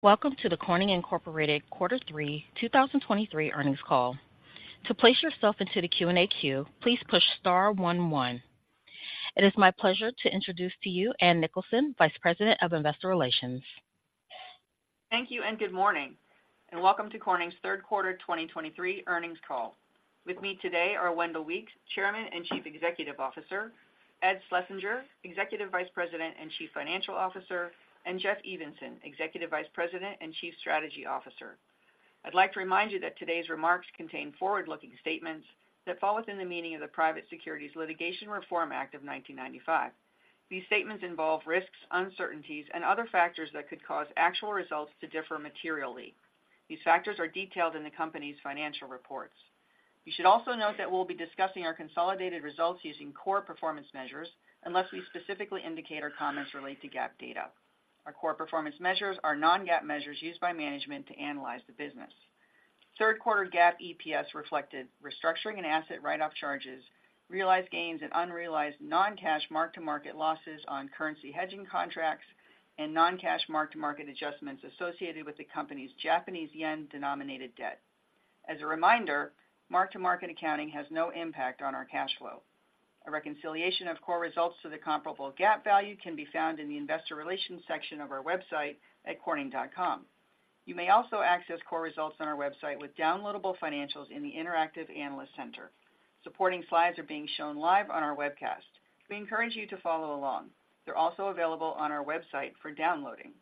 Welcome to the Corning Incorporated Quarter Three 2023 earnings call. To place yourself into the Q&A queue, please push star one, one. It is my pleasure to introduce to you Ann H.S. Nicholson, Vice President of Investor Relations. Thank you, and good morning, and welcome to Corning's third quarter 2023 earnings call. With me today are Wendell Weeks, Chairman and Chief Executive Officer, Ed Schlesinger, Executive Vice President and Chief Financial Officer, and Jeff Evenson, Executive Vice President and Chief Strategy Officer. I'd like to remind you that today's remarks contain forward-looking statements that fall within the meaning of the Private Securities Litigation Reform Act of 1995. These statements involve risks, uncertainties, and other factors that could cause actual results to differ materially. These factors are detailed in the company's financial reports. You should also note that we'll be discussing our consolidated results using core performance measures, unless we specifically indicate our comments relate to GAAP data. Our core performance measures are non-GAAP measures used by management to analyze the business. Third quarter GAAP EPS reflected restructuring and asset write-off charges, realized gains and unrealized non-cash mark-to-market losses on currency hedging contracts, and non-cash mark-to-market adjustments associated with the company's Japanese yen-denominated debt. As a reminder, mark-to-market accounting has no impact on our cash flow. A reconciliation of core results to the comparable GAAP value can be found in the Investor Relations section of our website at corning.com. You may also access core results on our website with downloadable financials in the Interactive Analyst Center. Supporting slides are being shown live on our webcast. We encourage you to follow along. They're also available on our website for downloading.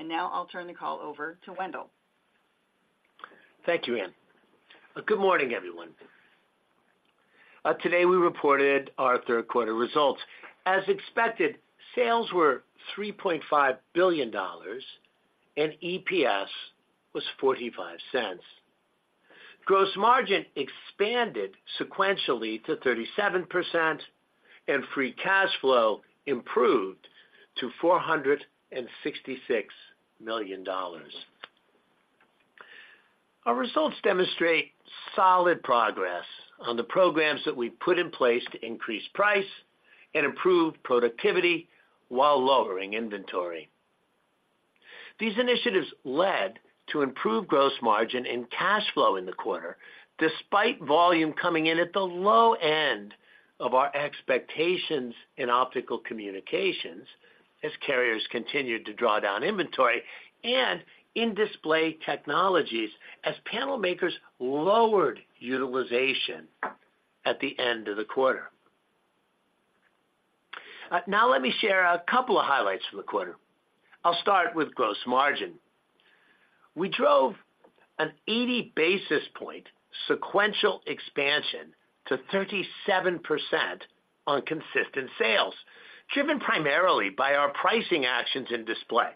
Now I'll turn the call over to Wendell. Thank you, Ann. Good morning, everyone. Today we reported our third quarter results. As expected, sales were $3.5 billion, and EPS was $0.45. Gross margin expanded sequentially to 37%, and free cash flow improved to $466 million. Our results demonstrate solid progress on the programs that we put in place to increase price and improve productivity while lowering inventory. These initiatives led to improved gross margin and cash flow in the quarter, despite volume coming in at the low end of our expectations in Optical Communications as carriers continued to draw down inventory and in Display Technologies as panel makers lowered utilization at the end of the quarter. Now let me share a couple of highlights from the quarter. I'll start with gross margin. We drove an 80 basis point sequential expansion to 37% on consistent sales, driven primarily by our pricing actions in display.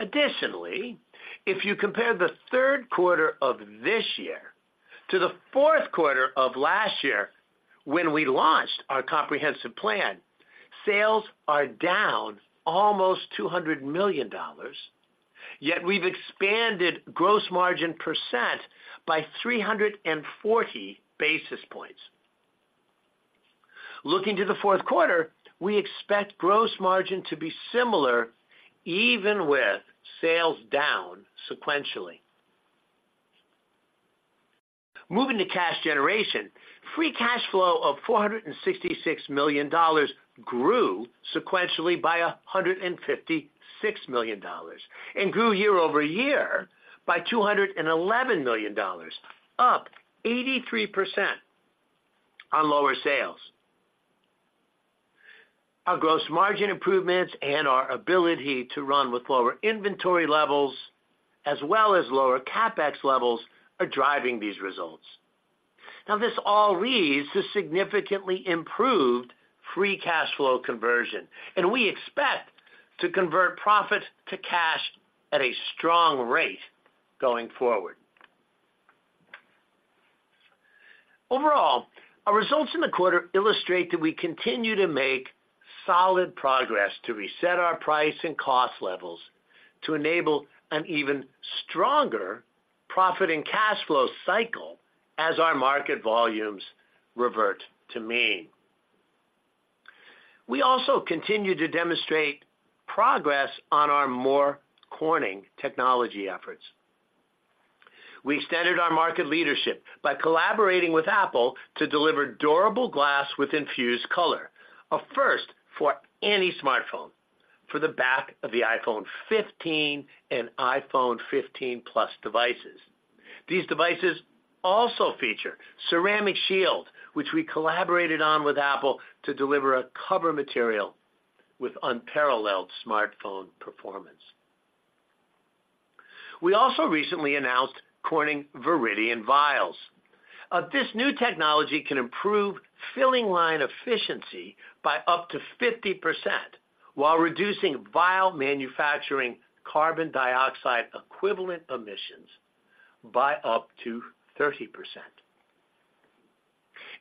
Additionally, if you compare the third quarter of this year to the fourth quarter of last year, when we launched our comprehensive plan, sales are down almost $200 million, yet we've expanded gross margin percent by 340 basis points. Looking to the fourth quarter, we expect gross margin to be similar even with sales down sequentially. Moving to cash generation, free cash flow of $466 million grew sequentially by $156 million, and grew year-over-year by $211 million, up 83% on lower sales. Our gross margin improvements and our ability to run with lower inventory levels, as well as lower CapEx levels, are driving these results. Now, this all leads to significantly improved free cash flow conversion, and we expect to convert profit to cash at a strong rate going forward. Overall, our results in the quarter illustrate that we continue to make solid progress to reset our price and cost levels to enable an even stronger profit and cash flow cycle as our market volumes revert to mean. We also continue to demonstrate progress on our More Corning technology efforts. We extended our market leadership by collaborating with Apple to deliver durable glass with infused color, a first for any smartphone, for the back of the iPhone 15 and iPhone 15 Plus devices. These devices also feature Ceramic Shield, which we collaborated on with Apple to deliver a cover material with unparalleled smartphone performance. We also recently announced Corning Viridian Vials. This new technology can improve filling line efficiency by up to 50% while reducing vial manufacturing carbon dioxide equivalent emissions by up to 30%.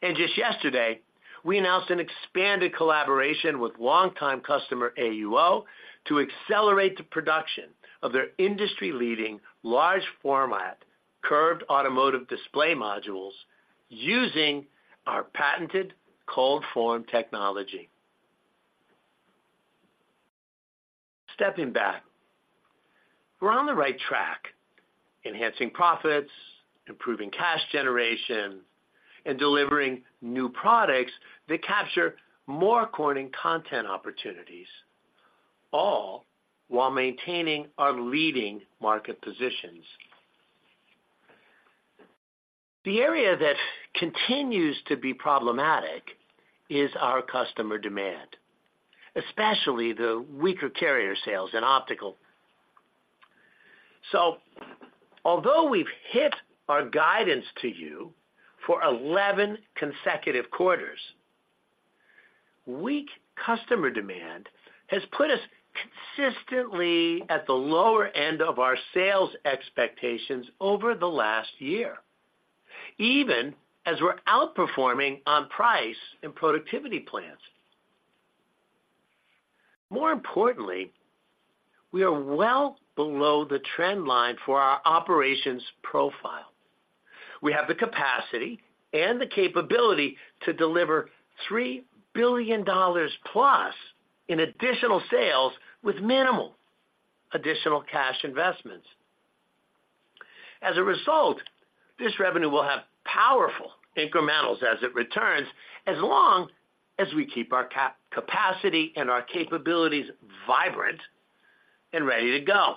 And just yesterday, we announced an expanded collaboration with longtime customer AUO to accelerate the production of their industry-leading, large-format, curved automotive display modules, using our patented ColdForm Technology. Stepping back, we're on the right track, enhancing profits, improving cash generation, and delivering new products that capture More Corning content opportunities, all while maintaining our leading market positions. The area that continues to be problematic is our customer demand, especially the weaker carrier sales and optical. So although we've hit our guidance to you for 11 consecutive quarters, weak customer demand has put us consistently at the lower end of our sales expectations over the last year, even as we're outperforming on price and productivity plans. More importantly, we are well below the trend line for our operations profile. We have the capacity and the capability to deliver $3 billion+ in additional sales with minimal additional cash investments. As a result, this revenue will have powerful incrementals as it returns, as long as we keep our capacity and our capabilities vibrant and ready to go.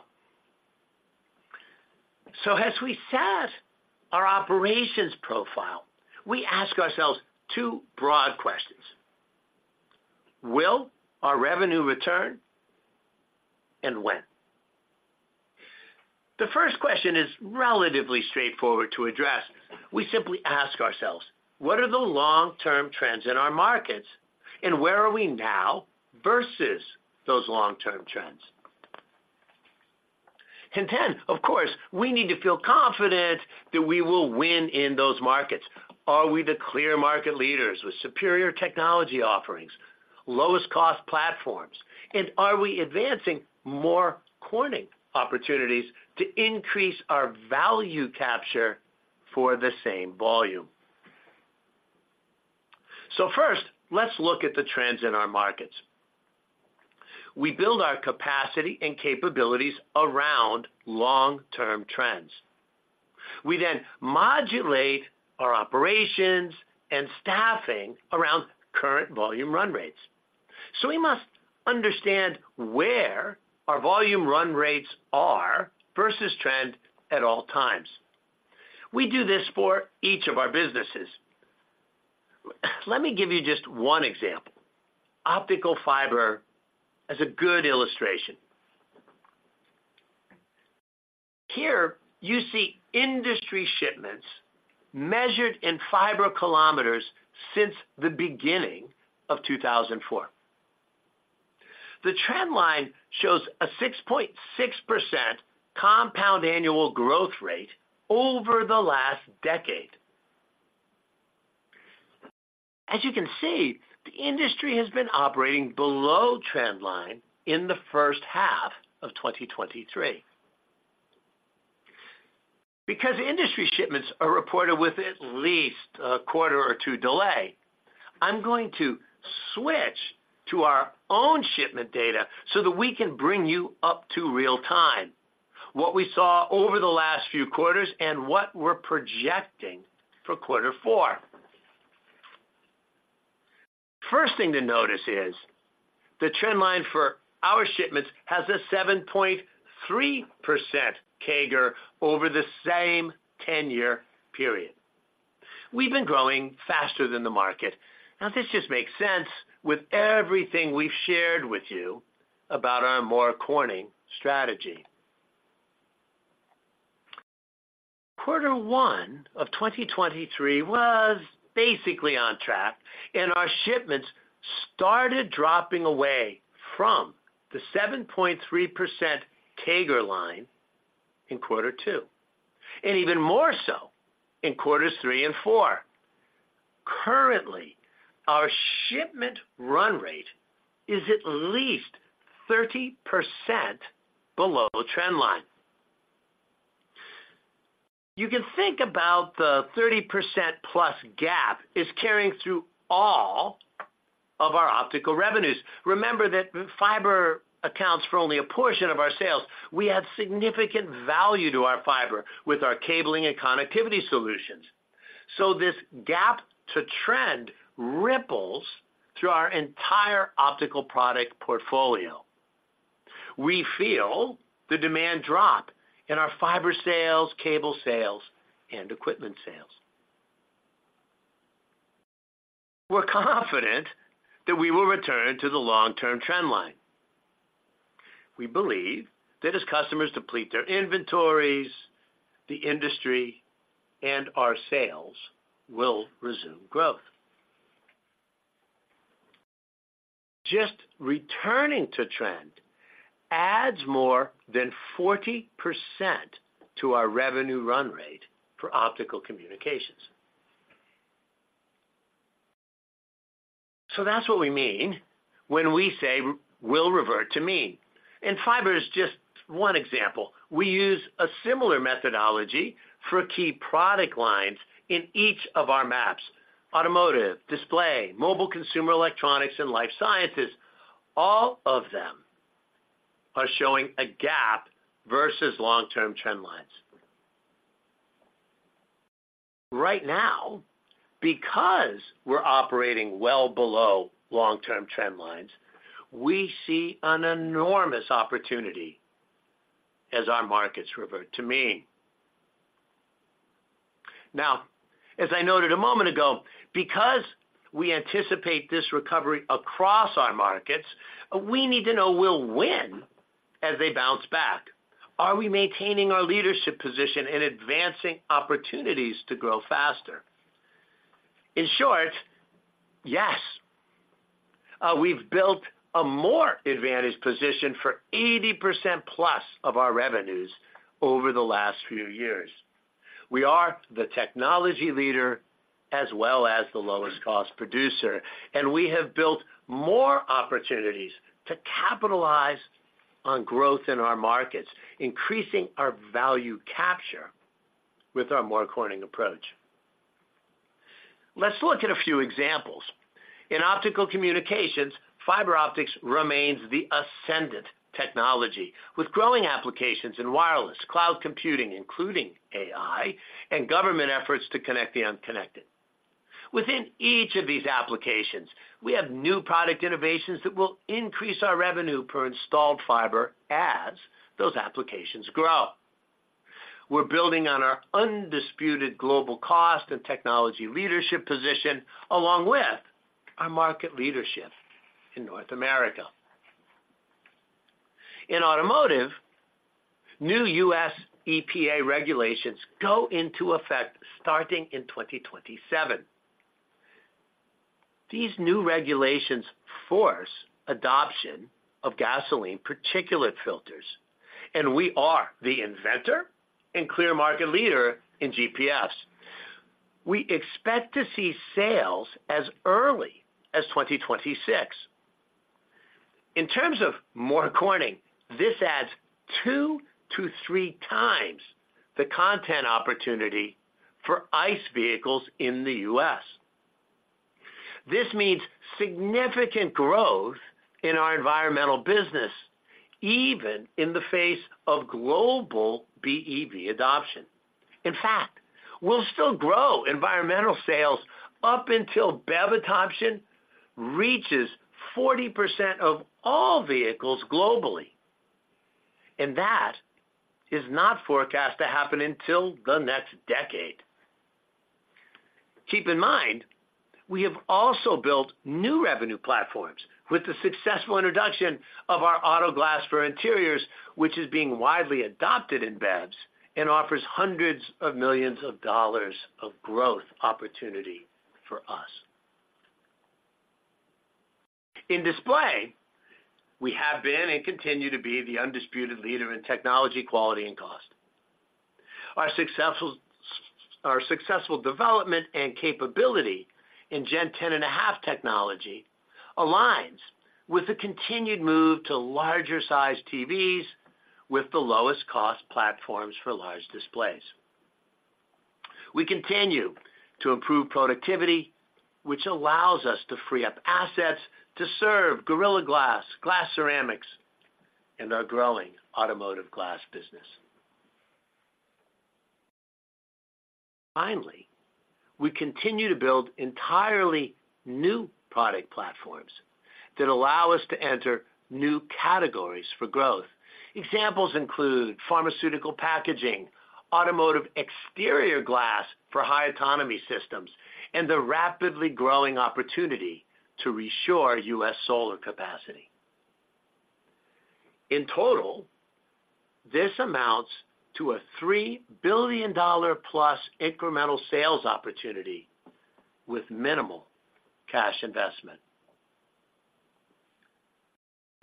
So as we set our operations profile, we ask ourselves two broad questions: Will our revenue return, and when? The first question is relatively straightforward to address. We simply ask ourselves, what are the long-term trends in our markets, and where are we now versus those long-term trends? And then, of course, we need to feel confident that we will win in those markets. Are we the clear market leaders with superior technology offerings, lowest cost platforms, and are we advancing More Corning opportunities to increase our value capture for the same volume? So first, let's look at the trends in our markets. We build our capacity and capabilities around long-term trends. We then modulate our operations and staffing around current volume run rates. So we must understand where our volume run rates are versus trend at all times. We do this for each of our businesses. Let me give you just one example. Optical fiber is a good illustration. Here, you see industry shipments measured in fiber kilometers since the beginning of 2004. The trend line shows a 6.6% compound annual growth rate over the last decade. As you can see, the industry has been operating below trend line in the first half of 2023. Because industry shipments are reported with at least a quarter or two delay, I'm going to switch to our own shipment data so that we can bring you up to real time, what we saw over the last few quarters and what we're projecting for quarter four. First thing to notice is the trend line for our shipments has a 7.3% CAGR over the same 10-year period. We've been growing faster than the market. Now, this just makes sense with everything we've shared with you about our More Corning strategy. Quarter one of 2023 was basically on track, and our shipments started dropping away from the 7.3% CAGR line in quarter two, and even more so in quarters three and four. Currently, our shipment run rate is at least 30% below trend line. You can think about the 30%+ gap is carrying through all of our optical revenues. Remember that fiber accounts for only a portion of our sales. We add significant value to our fiber with our cabling and connectivity solutions. So this gap to trend ripples through our entire optical product portfolio. We feel the demand drop in our fiber sales, cable sales, and equipment sales. We're confident that we will return to the long-term trend line. We believe that as customers deplete their inventories, the industry and our sales will resume growth. Just returning to trend adds more than 40% to our revenue run rate for Optical Communications... So that's what we mean when we say, "We'll revert to mean." And fiber is just one example. We use a similar methodology for key product lines in each of our MAPs, Automotive, Display, Mobile Consumer Electronics, and Life Sciences. All of them are showing a gap versus long-term trend lines. Right now, because we're operating well below long-term trend lines, we see an enormous opportunity as our markets revert to mean. Now, as I noted a moment ago, because we anticipate this recovery across our markets, we need to know we'll win as they bounce back. Are we maintaining our leadership position and advancing opportunities to grow faster? In short, yes. We've built a more advantaged position for 80%+ of our revenues over the last few years. We are the technology leader as well as the lowest cost producer, and we have built more opportunities to capitalize on growth in our markets, increasing our value capture with our More Corning approach. Let's look at a few examples. In Optical Communications, fiber optics remains the ascendant technology, with growing applications in wireless, cloud computing, including AI, and government efforts to connect the unconnected. Within each of these applications, we have new product innovations that will increase our revenue per installed fiber as those applications grow. We're building on our undisputed global cost and technology leadership position, along with our market leadership in North America. In automotive, new U.S. EPA regulations go into effect starting in 2027. These new regulations force adoption of gasoline particulate filters, and we are the inventor and clear market leader in GPFs. We expect to see sales as early as 2026. In terms of More Corning, this adds two to three times the content opportunity for ICE vehicles in the U.S. This means significant growth in our environmental business, even in the face of global BEV adoption. In fact, we'll still grow environmental sales up until BEV adoption reaches 40% of all vehicles globally, and that is not forecast to happen until the next decade. Keep in mind, we have also built new revenue platforms with the successful introduction of our Auto Glass for Interiors, which is being widely adopted in BEVs and offers hundreds of millions of growth opportunity for us. In display, we have been and continue to be the undisputed leader in technology, quality, and cost. Our successful, successful development and capability in Gen 10.5 technology aligns with the continued move to larger size TVs with the lowest cost platforms for large displays. We continue to improve productivity, which allows us to free up assets to serve Gorilla Glass, Glass Ceramics, and our growing Automotive Glass business. Finally, we continue to build entirely new product platforms that allow us to enter new categories for growth. Examples include pharmaceutical packaging, automotive exterior glass for high autonomy systems, and the rapidly growing opportunity to reshore U.S. solar capacity. In total, this amounts to a $3 billion+ incremental sales opportunity with minimal cash investment.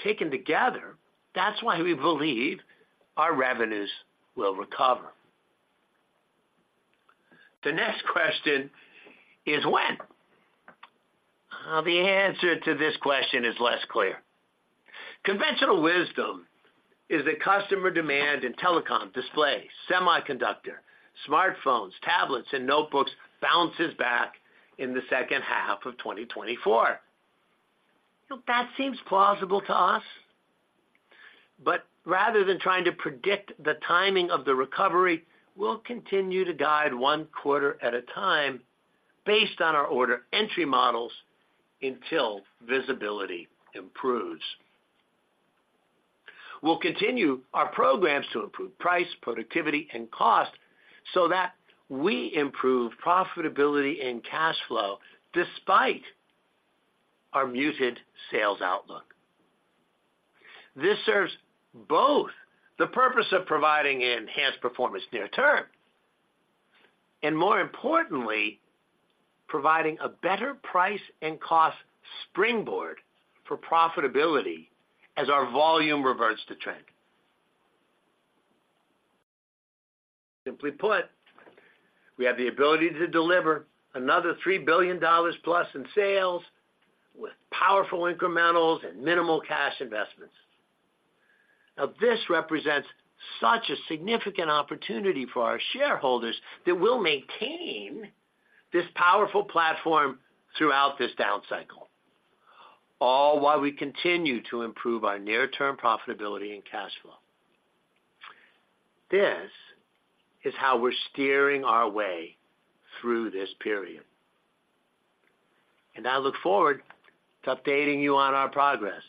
Taken together, that's why we believe our revenues will recover. The next question is when? The answer to this question is less clear. Conventional wisdom is that customer demand in telecom, display, semiconductor, smartphones, tablets, and notebooks bounces back in the second half of 2024. That seems plausible to us. But rather than trying to predict the timing of the recovery, we'll continue to guide one quarter at a time based on our order entry models until visibility improves. We'll continue our programs to improve price, productivity, and cost so that we improve profitability and cash flow despite our muted sales outlook. This serves both the purpose of providing enhanced performance near term, and more importantly, providing a better price and cost springboard for profitability as our volume reverts to trend… Simply put, we have the ability to deliver another $3 billion+ in sales, with powerful incrementals and minimal cash investments. Now, this represents such a significant opportunity for our shareholders that we'll maintain this powerful platform throughout this down cycle, all while we continue to improve our near-term profitability and cash flow. This is how we're steering our way through this period, and I look forward to updating you on our progress.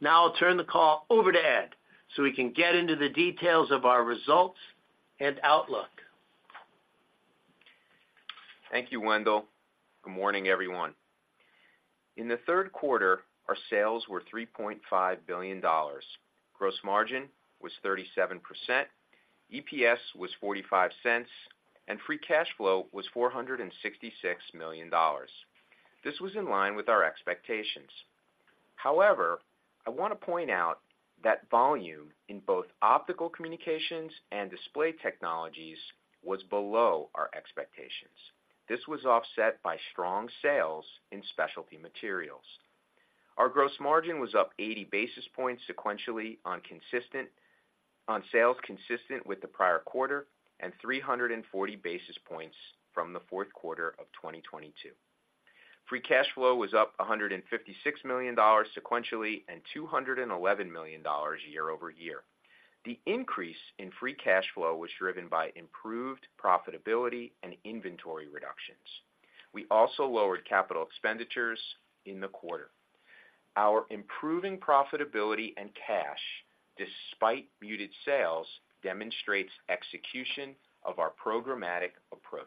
Now I'll turn the call over to Ed, so we can get into the details of our results and outlook. Thank you, Wendell. Good morning, everyone. In the third quarter, our sales were $3.5 billion. Gross margin was 37%, EPS was $0.45, and free cash flow was $466 million. This was in line with our expectations. However, I want to point out that volume in both Optical Communications and Display Technologies was below our expectations. This was offset by strong sales in Specialty Materials. Our gross margin was up 80 basis points sequentially on sales consistent with the prior quarter, and 340 basis points from the fourth quarter of 2022. Free cash flow was up $156 million sequentially, and $211 million year-over-year. The increase in free cash flow was driven by improved profitability and inventory reductions. We also lowered capital expenditures in the quarter. Our improving profitability and cash, despite muted sales, demonstrates execution of our programmatic approach.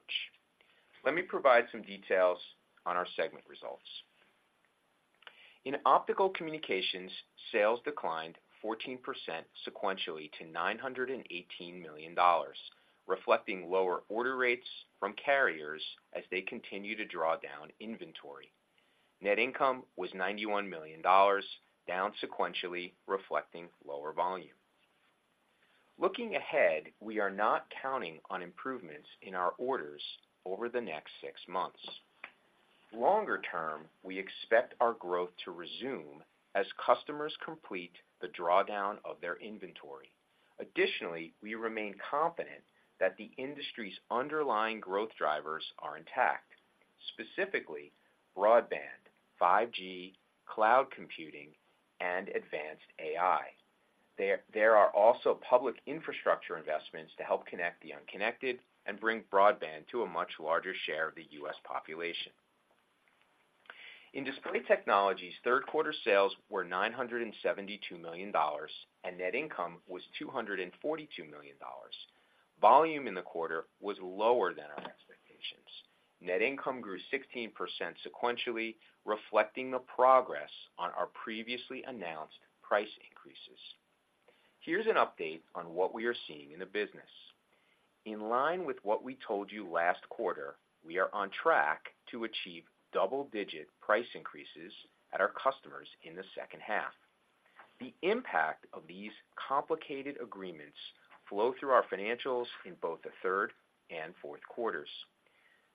Let me provide some details on our segment results. In Optical Communications, sales declined 14% sequentially to $918 million, reflecting lower order rates from carriers as they continue to draw down inventory. Net income was $91 million, down sequentially, reflecting lower volume. Looking ahead, we are not counting on improvements in our orders over the next six months. Longer term, we expect our growth to resume as customers complete the drawdown of their inventory. Additionally, we remain confident that the industry's underlying growth drivers are intact, specifically broadband, 5G, cloud computing, and advanced AI. There are also public infrastructure investments to help connect the unconnected and bring broadband to a much larger share of the U.S. population. In Display Technologies, third quarter sales were $972 million, and net income was $242 million. Volume in the quarter was lower than our expectations. Net income grew 16% sequentially, reflecting the progress on our previously announced price increases. Here's an update on what we are seeing in the business. In line with what we told you last quarter, we are on track to achieve double-digit price increases at our customers in the second half. The impact of these complicated agreements flow through our financials in both the third and fourth quarters.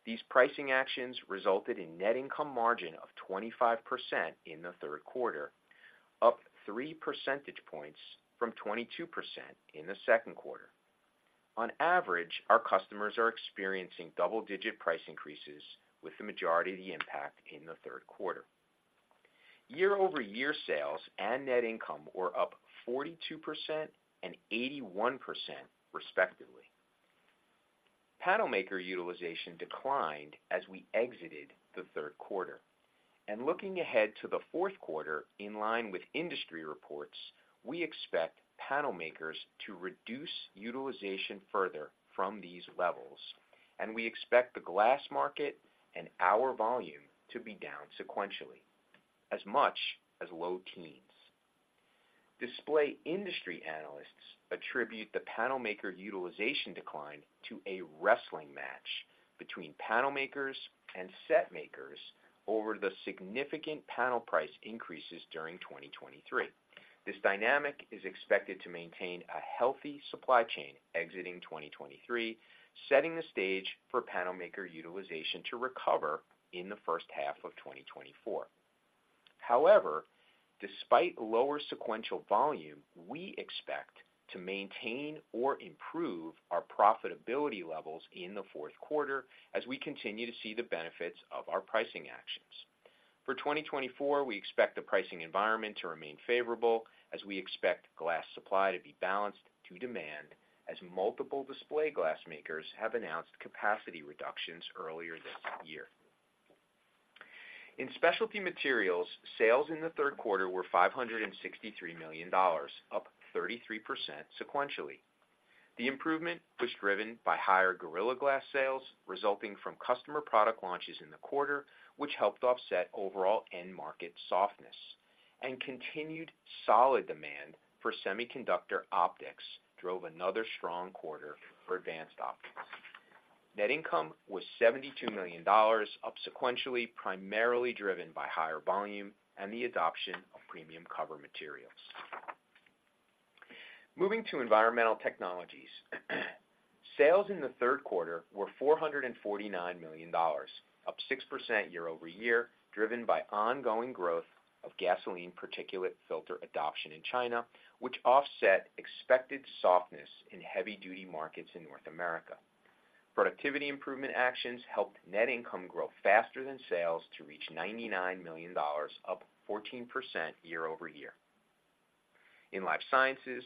These pricing actions resulted in net income margin of 25% in the third quarter, up 3 percentage points from 22% in the second quarter. On average, our customers are experiencing double-digit price increases, with the majority of the impact in the third quarter. Year-over-year sales and net income were up 42% and 81%, respectively. Panel maker utilization declined as we exited the third quarter. Looking ahead to the fourth quarter, in line with industry reports, we expect panel makers to reduce utilization further from these levels, and we expect the glass market and our volume to be down sequentially as much as low teens%. Display industry analysts attribute the panel maker utilization decline to a wrestling match between panel makers and set makers over the significant panel price increases during 2023. This dynamic is expected to maintain a healthy supply chain exiting 2023, setting the stage for panel maker utilization to recover in the first half of 2024. However, despite lower sequential volume, we expect to maintain or improve our profitability levels in the fourth quarter as we continue to see the benefits of our pricing actions. For 2024, we expect the pricing environment to remain favorable as we expect glass supply to be balanced to demand, as multiple display glass makers have announced capacity reductions earlier this year. In Specialty Materials, sales in the third quarter were $563 million, up 33% sequentially. The improvement was driven by higher Gorilla Glass sales, resulting from customer product launches in the quarter, which helped offset overall end market softness. And continued solid demand for semiconductor optics drove another strong quarter for Advanced Optics....Net income was $72 million, up sequentially, primarily driven by higher volume and the adoption of premium cover materials. Moving to Environmental Technologies, sales in the third quarter were $449 million, up 6% year-over-year, driven by ongoing growth of gasoline particulate filter adoption in China, which offset expected softness in heavy-duty markets in North America. Productivity improvement actions helped net income grow faster than sales to reach $99 million, up 14% year-over-year. In Life Sciences,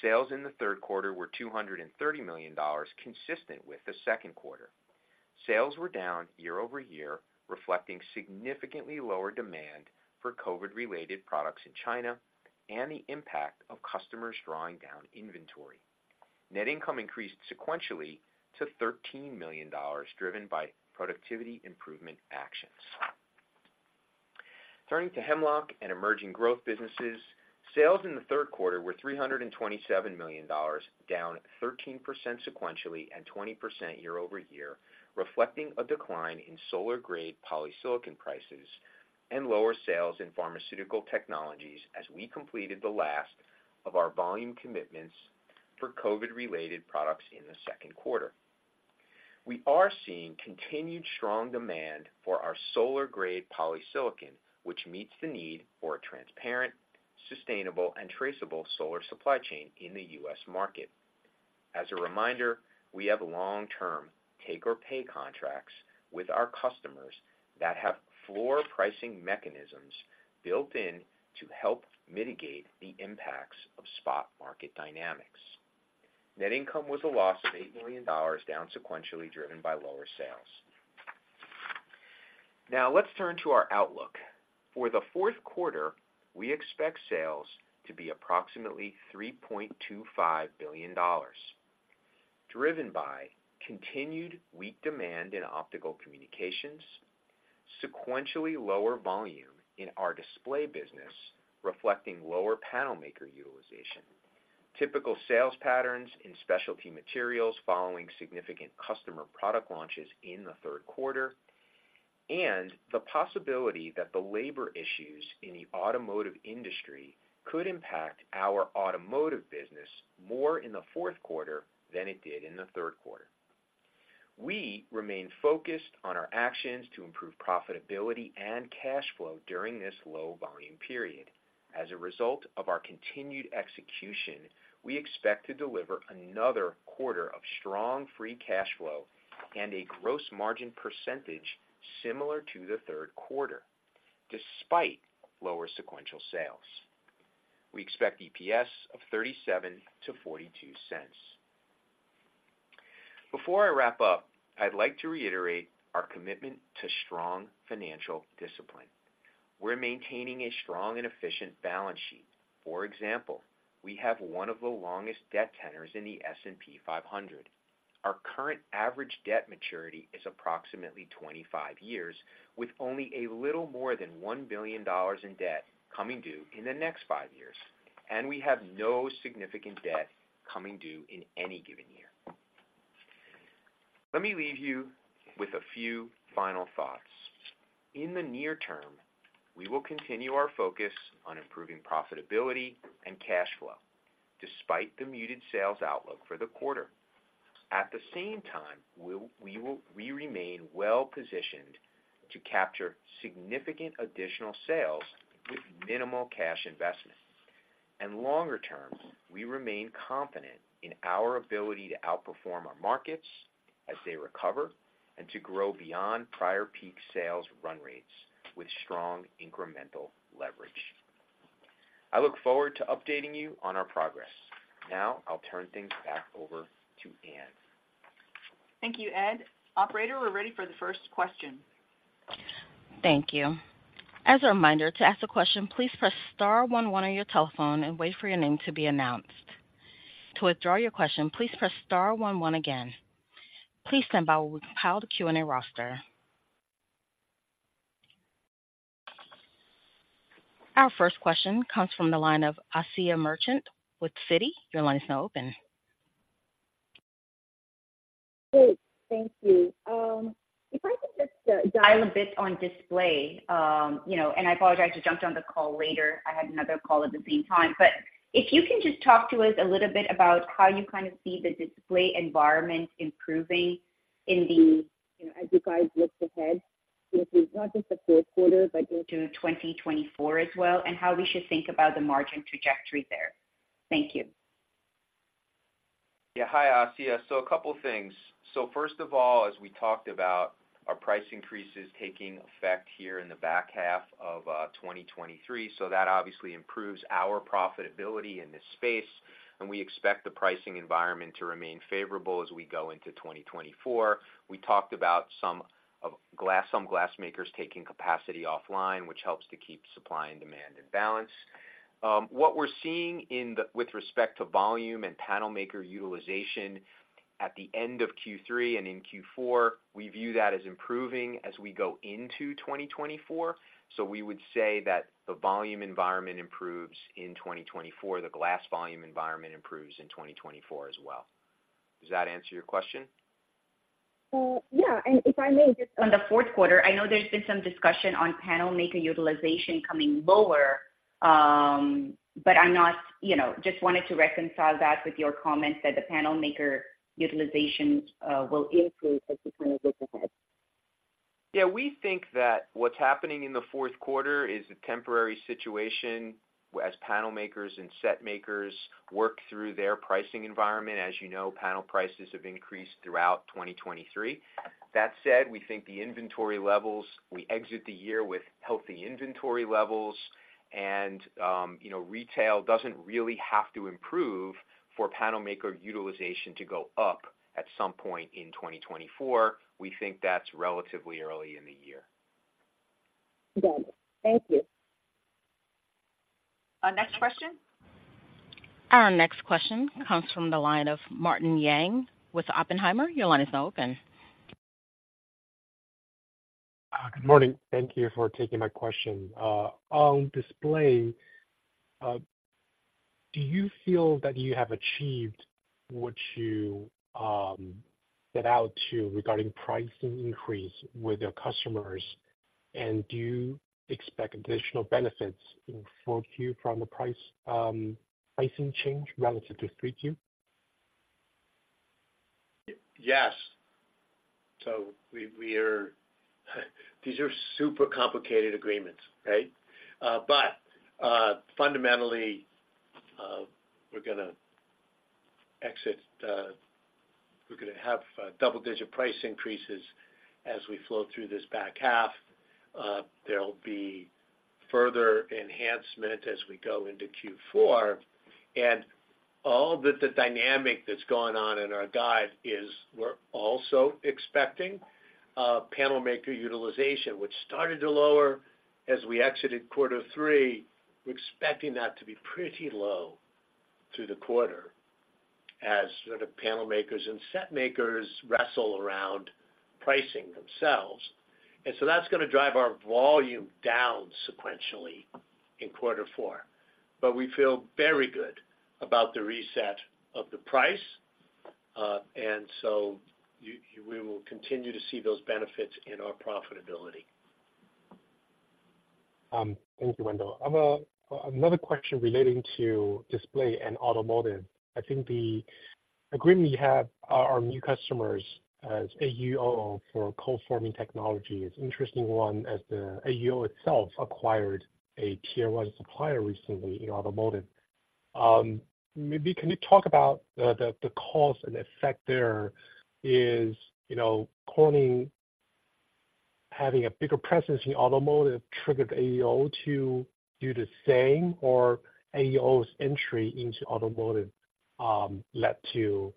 sales in the third quarter were $230 million, consistent with the second quarter. Sales were down year-over-year, reflecting significantly lower demand for COVID-related products in China and the impact of customers drawing down inventory. Net income increased sequentially to $13 million, driven by productivity improvement actions. Turning to Hemlock and Emerging Growth Businesses, sales in the third quarter were $327 million, down 13% sequentially and 20% year-over-year, reflecting a decline in solar-grade polysilicon prices and lower sales in Pharmaceutical Technologies as we completed the last of our volume commitments for COVID-related products in the second quarter. We are seeing continued strong demand for our solar-grade polysilicon, which meets the need for a transparent, sustainable, and traceable solar supply chain in the U.S. market. As a reminder, we have long-term take-or-pay contracts with our customers that have floor pricing mechanisms built in to help mitigate the impacts of spot market dynamics. Net income was a loss of $8 million, down sequentially, driven by lower sales. Now, let's turn to our outlook. For the fourth quarter, we expect sales to be approximately $3.25 billion, driven by continued weak demand in Optical Communications, sequentially lower volume in our Display Technologies business, reflecting lower panel maker utilization, typical sales patterns in Specialty Materials following significant customer product launches in the third quarter, and the possibility that the labor issues in the automotive industry could impact our automotive business more in the fourth quarter than it did in the third quarter. We remain focused on our actions to improve profitability and cash flow during this low volume period. As a result of our continued execution, we expect to deliver another quarter of strong free cash flow and a gross margin percentage similar to the third quarter, despite lower sequential sales. We expect EPS of $0.37-$0.42. Before I wrap up, I'd like to reiterate our commitment to strong financial discipline. We're maintaining a strong and efficient balance sheet. For example, we have one of the longest debt tenors in the S&P 500. Our current average debt maturity is approximately 25 years, with only a little more than $1 billion in debt coming due in the next five years, and we have no significant debt coming due in any given year. Let me leave you with a few final thoughts. In the near term, we will continue our focus on improving profitability and cash flow despite the muted sales outlook for the quarter. At the same time, we remain well positioned to capture significant additional sales with minimal cash investment. Longer term, we remain confident in our ability to outperform our markets as they recover and to grow beyond prior peak sales run rates with strong incremental leverage. I look forward to updating you on our progress. Now I'll turn things back over to Ann. Thank you, Ed. Operator, we're ready for the first question. Thank you. As a reminder, to ask a question, please press star one one on your telephone and wait for your name to be announced. To withdraw your question, please press star one one again. Please stand by while we compile the Q&A roster. Our first question comes from the line of Asiya Merchant with Citi. Your line is now open. Great. Thank you. If I could just dial a bit on Display, you know, and I apologize, I jumped on the call later. I had another call at the same time. But if you can just talk to us a little bit about how you kind of see the display environment improving in the, you know, as you guys look ahead, so it is not just the fourth quarter, but into 2024 as well, and how we should think about the margin trajectory there? Thank you. Yeah. Hi, Asiya. So a couple things. So first of all, as we talked about our price increases taking effect here in the back half of 2023, so that obviously improves our profitability in this space, and we expect the pricing environment to remain favorable as we go into 2024. We talked about some glass makers taking capacity offline, which helps to keep supply and demand in balance. What we're seeing with respect to volume and panel maker utilization at the end of Q3 and in Q4, we view that as improving as we go into 2024. So we would say that the volume environment improves in 2024. The glass volume environment improves in 2024 as well. Does that answer your question?... Yeah, if I may, just on the fourth quarter, I know there's been some discussion on panel maker utilization coming lower, but I'm not, you know, just wanted to reconcile that with your comments that the panel maker utilization will improve as we kind of look ahead. Yeah, we think that what's happening in the fourth quarter is a temporary situation as panel makers and set makers work through their pricing environment. As you know, panel prices have increased throughout 2023. That said, we think the inventory levels we exit the year with healthy inventory levels, and, you know, retail doesn't really have to improve for panel maker utilization to go up at some point in 2024. We think that's relatively early in the year. Got it. Thank you. Next question. Our next question comes from the line of Martin Yang with Oppenheimer. Your line is now open. Good morning. Thank you for taking my question. On display, do you feel that you have achieved what you set out to regarding pricing increase with your customers? And do you expect additional benefits in Q4 from the price, pricing change relative to Q3? Yes. So we, we are. These are super complicated agreements, right? But, fundamentally, we're gonna exit, we're gonna have double-digit price increases as we flow through this back half. There'll be further enhancement as we go into Q4. And all the, the dynamic that's going on in our guide is we're also expecting panel maker utilization, which started to lower as we exited quarter three. We're expecting that to be pretty low through the quarter, as sort of panel makers and set makers wrestle around pricing themselves. And so that's gonna drive our volume down sequentially in quarter four. But we feel very good about the reset of the price, and so we will continue to see those benefits in our profitability. Thank you, Wendell. I've a, another question relating to display and automotive. I think the agreement you have, our, our new customers as AUO for ColdForming Technology is interesting one, as the AUO itself acquired a tier one supplier recently in automotive. Maybe can you talk about the, the, the cause and effect there? Is, you know, Corning having a bigger presence in automotive triggered AUO to do the same, or AUO's entry into automotive, led to,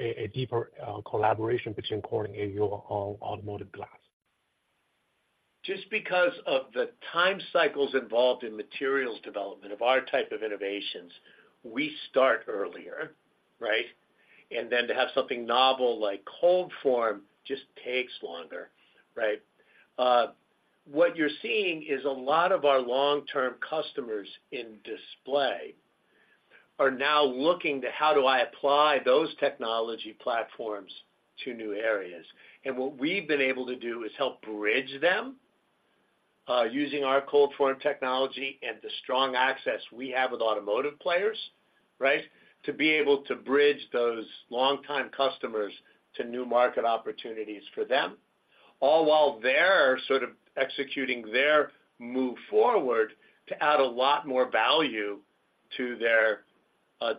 a, a deeper, collaboration between Corning and AUO on Automotive Glass? Just because of the time cycles involved in materials development of our type of innovations, we start earlier, right? And then to have something novel like ColdForm just takes longer, right? What you're seeing is a lot of our long-term customers in display are now looking to how do I apply those technology platforms to new areas. And what we've been able to do is help bridge them, using our ColdForm Technology and the strong access we have with automotive players, right? To be able to bridge those longtime customers to new market opportunities for them, all while they're sort of executing their move forward to add a lot more value to their,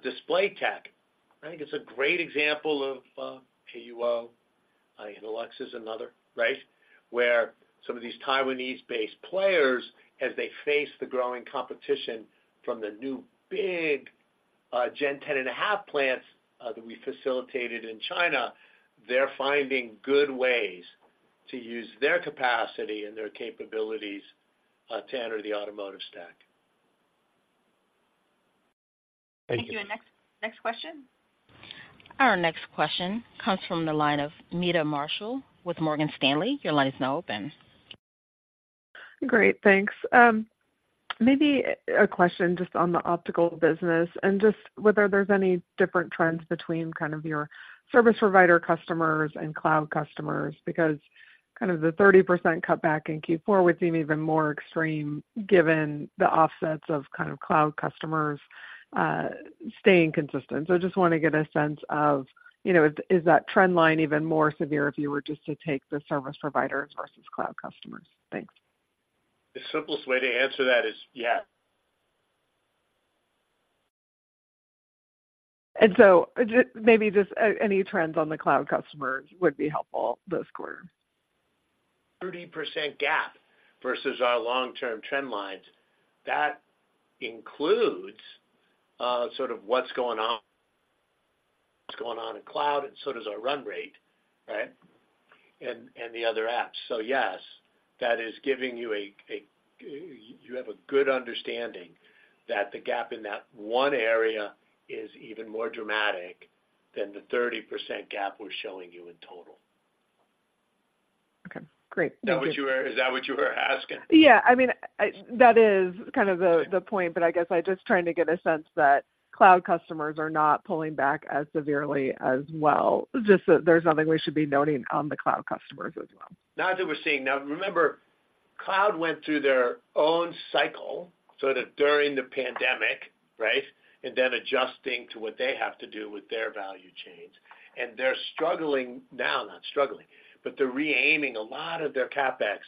display tech. I think it's a great example of, AUO, Innolux is another, right? Where some of these Taiwanese-based players, as they face the growing competition from the new big Gen 10.5 plants that we facilitated in China, they're finding good ways to use their capacity and their capabilities to enter the automotive stack. Thank you. Thank you. And next, next question? Our next question comes from the line of Meta Marshall with Morgan Stanley. Your line is now open. Great, thanks. Maybe a question just on the optical business and just whether there's any different trends between kind of your service provider customers and cloud customers, because kind of the 30% cutback in Q4 would seem even more extreme, given the offsets of kind of cloud customers staying consistent. So I just want to get a sense of, you know, is, is that trend line even more severe if you were just to take the service providers versus cloud customers? Thanks. The simplest way to answer that is, yeah. Maybe just any trends on the cloud customers would be helpful this quarter. 30% gap versus our long-term trend lines. That includes sort of what's going on, what's going on in cloud, and so does our run rate, right? And the other apps. So yes, that is giving you a, you have a good understanding that the gap in that one area is even more dramatic than the 30% gap we're showing you in total. ... Great. Is that what you were, is that what you were asking? Yeah, I mean, that is kind of the point, but I guess I'm just trying to get a sense that cloud customers are not pulling back as severely as well. Just that there's nothing we should be noting on the cloud customers as well. Not that we're seeing. Now, remember, cloud went through their own cycle, sort of during the pandemic, right? And then adjusting to what they have to do with their value chains. And they're struggling now, not struggling, but they're re-aiming. A lot of their CapEx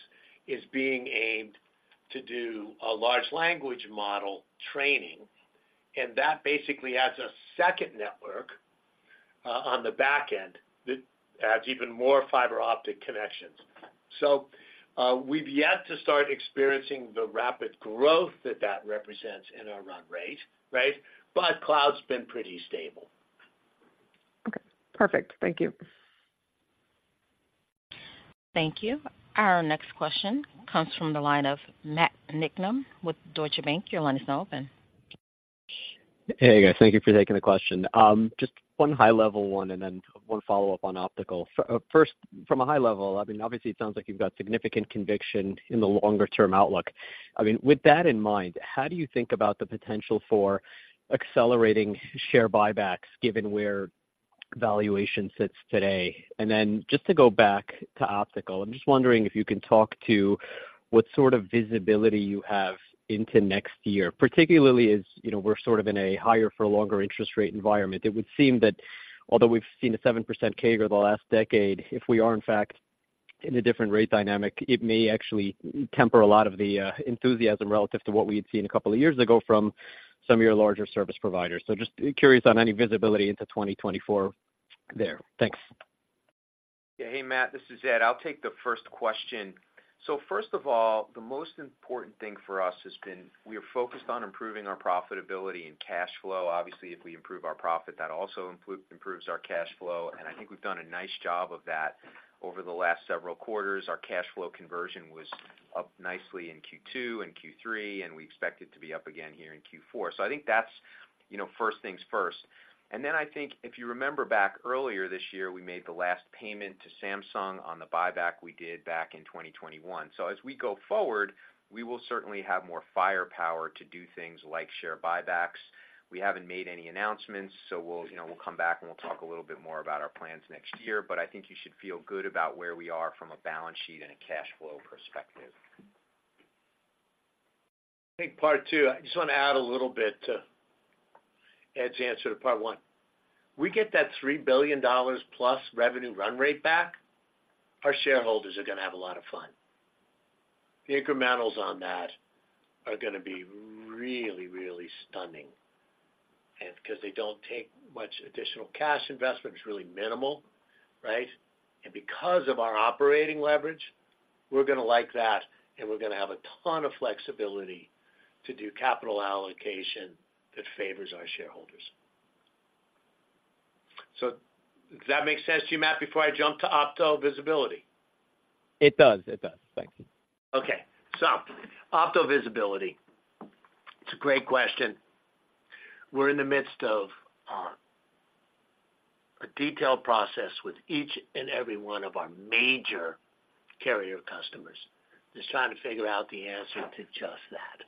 is being aimed to do a large language model training, and that basically adds a second network on the back end that adds even more fiber optic connections. So, we've yet to start experiencing the rapid growth that that represents in our run rate, right? But cloud's been pretty stable. Okay, perfect. Thank you. Thank you. Our next question comes from the line of Matt Niknam with Deutsche Bank. Your line is now open. Hey, guys. Thank you for taking the question. Just one high-level one, and then one follow-up on Optical. First, from a high level, I mean, obviously, it sounds like you've got significant conviction in the longer-term outlook. I mean, with that in mind, how do you think about the potential for accelerating share buybacks, given where valuation sits today? And then just to go back to optical, I'm just wondering if you can talk to what sort of visibility you have into next year, particularly as, you know, we're sort of in a higher for longer interest rate environment. It would seem that although we've seen a 7% CAGR the last decade, if we are, in fact, in a different rate dynamic, it may actually temper a lot of the enthusiasm relative to what we had seen a couple of years ago from some of your larger service providers. So just curious on any visibility into 2024 there. Thanks. Yeah. Hey, Matt, this is Ed. I'll take the first question. So first of all, the most important thing for us has been we are focused on improving our profitability and cash flow. Obviously, if we improve our profit, that also improves our cash flow, and I think we've done a nice job of that over the last several quarters. Our cash flow conversion was up nicely in Q2 and Q3, and we expect it to be up again here in Q4. So I think that's, you know, first things first. And then I think if you remember back earlier this year, we made the last payment to Samsung on the buyback we did back in 2021. So as we go forward, we will certainly have more firepower to do things like share buybacks. We haven't made any announcements, so we'll, you know, we'll come back, and we'll talk a little bit more about our plans next year, but I think you should feel good about where we are from a balance sheet and a cash flow perspective. I think part two, I just want to add a little bit to Ed's answer to part one. We get that $3 billion + revenue run rate back, our shareholders are going to have a lot of fun. The incrementals on that are going to be really, really stunning. And because they don't take much additional cash investment, it's really minimal, right? And because of our operating leverage, we're going to like that, and we're going to have a ton of flexibility to do capital allocation that favors our shareholders. So does that make sense to you, Matt, before I jump to opto visibility? It does. It does. Thank you. Okay, so opto visibility, it's a great question. We're in the midst of a detailed process with each and every one of our major carrier customers, just trying to figure out the answer to just that,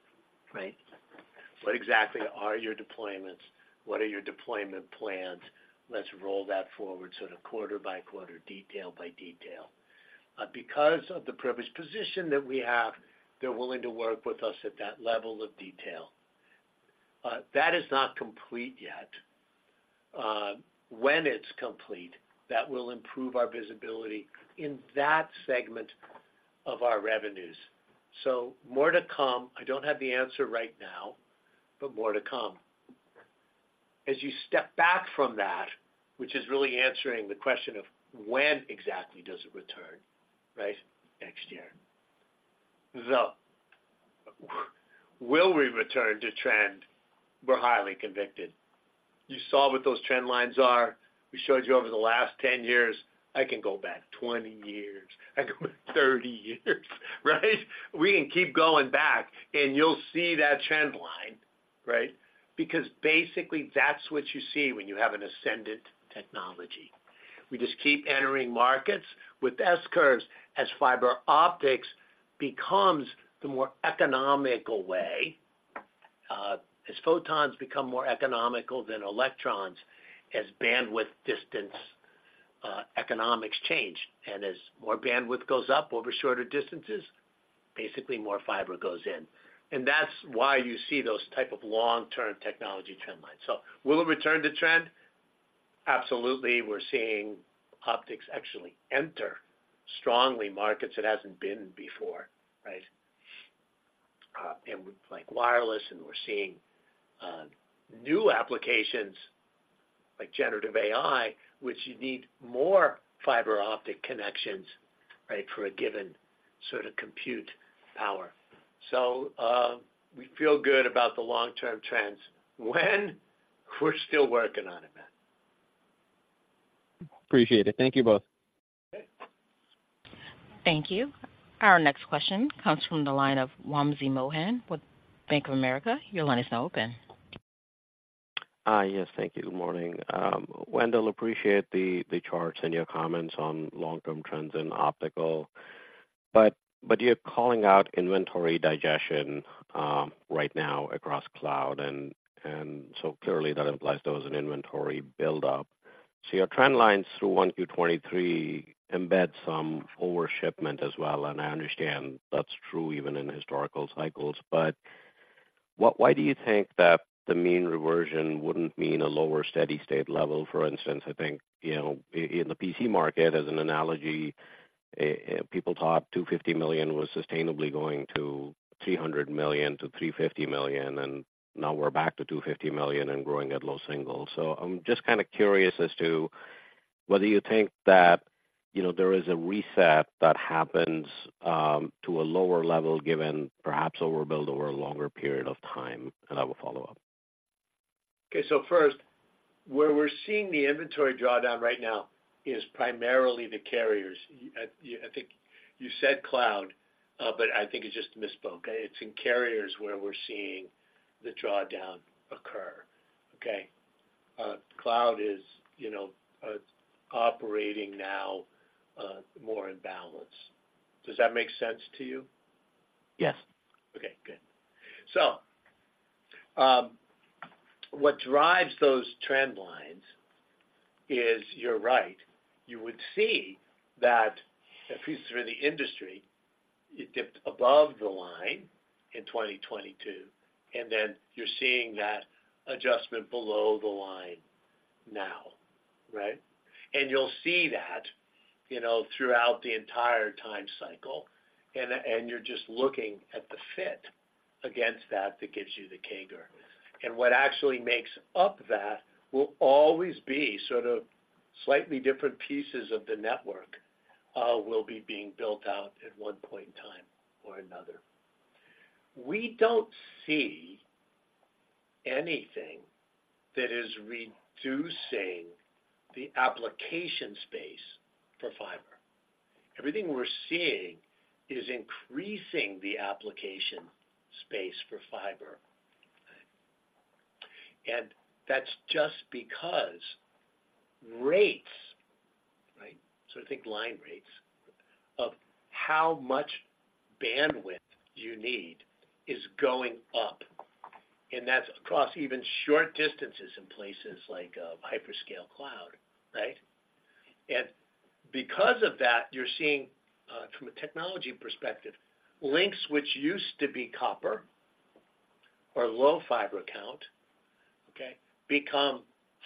right? What exactly are your deployments? What are your deployment plans? Let's roll that forward sort of quarter by quarter, detail by detail. Because of the privileged position that we have, they're willing to work with us at that level of detail. That is not complete yet. When it's complete, that will improve our visibility in that segment of our revenues. So more to come. I don't have the answer right now, but more to come. As you step back from that, which is really answering the question of when exactly does it return, right? Next year. So will we return to trend? We're highly convicted. You saw what those trend lines are. We showed you over the last 10 years. I can go back 20 years. I can go back 30 years, right? We can keep going back, and you'll see that trend line, right? Because basically, that's what you see when you have an ascendant technology. We just keep entering markets with S-curves, as fiber optics becomes the more economical way, as photons become more economical than electrons, as bandwidth distance, economics change, and as more bandwidth goes up over shorter distances, basically more fiber goes in. And that's why you see those type of long-term technology trend lines. So will it return to trend? Absolutely. We're seeing optics actually enter strongly markets it hasn't been before, right? And like wireless, and we're seeing new applications like generative AI, which you need more fiber optic connections, right, for a given sort of compute power. So, we feel good about the long-term trends. When? We're still working on it, Matt. Appreciate it. Thank you both. Okay. Thank you. Our next question comes from the line of Wamsi Mohan with Bank of America. Your line is now open. ... Ah, yes, thank you. Good morning. Wendell, appreciate the charts and your comments on long-term trends in Optical. But you're calling out inventory digestion right now across cloud, and so clearly that implies there was an inventory buildup. So your trend lines through Q1 2023 embed some forward shipment as well, and I understand that's true even in historical cycles. But why do you think that the mean reversion wouldn't mean a lower steady-state level? For instance, I think, you know, in the PC market as an analogy, people thought 250 million was sustainably going to 300 million-350 million, and now we're back to 250 million and growing at low single. I'm just kind of curious as to whether you think that, you know, there is a reset that happens to a lower level, given perhaps overbuild over a longer period of time, and I will follow up. Okay, so first, where we're seeing the inventory drawdown right now is primarily the carriers. I think you said cloud, but I think you just misspoke. It's in carriers where we're seeing the drawdown occur, okay? Cloud is, you know, operating now, more in balance. Does that make sense to you? Yes. Okay, good. So, what drives those trend lines is, you're right, you would see that if you look through the industry, it dipped above the line in 2022, and then you're seeing that adjustment below the line now, right? And you'll see that, you know, throughout the entire time cycle, and you're just looking at the fit against that, that gives you the CAGR. And what actually makes up that will always be sort of slightly different pieces of the network, will be being built out at one point in time or another. We don't see anything that is reducing the application space for fiber. Everything we're seeing is increasing the application space for fiber. And that's just because rates, right? So think line rates, of how much bandwidth you need is going up, and that's across even short distances in places like, hyperscale cloud, right? And because of that, you're seeing, from a technology perspective, links which used to be copper or low fiber count, okay, become